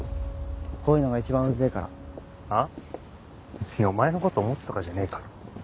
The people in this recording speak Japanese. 別にお前のことを思ってとかじゃねえから。